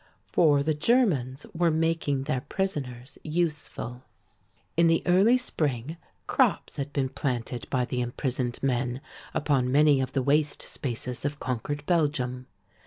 For the Germans were making their prisoners useful. In the early spring crops had been planted by the imprisoned men upon many of the waste spaces of conquered Belgium.